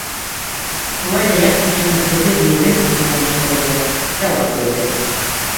Шулай ҙа ят кешенең фекер ебен бүлмәне Шәрифә, яуап бирҙе: